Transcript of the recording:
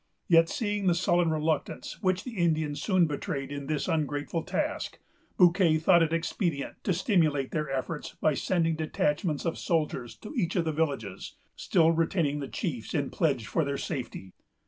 Yet, seeing the sullen reluctance which the Indians soon betrayed in this ungrateful task, Bouquet thought it expedient to stimulate their efforts by sending detachments of soldiers to each of the villages, still retaining the chiefs in pledge for their safety.